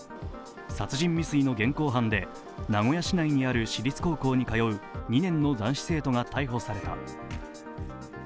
殺人未遂の現行犯で名古屋市内の私立高校に通う２年の男子生徒が逮捕された。